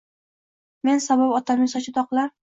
Men sabab otamning sochida oqlar